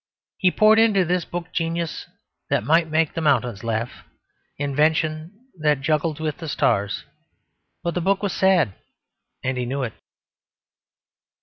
He poured into this book genius that might make the mountains laugh, invention that juggled with the stars. But the book was sad; and he knew it.